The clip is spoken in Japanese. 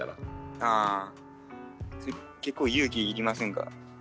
あそれ結構勇気要りませんか。